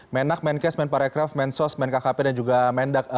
menak menkes menparekraf mensos menkkp dan juga mendak